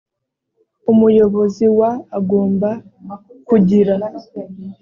umuyobozi wa agomba kugira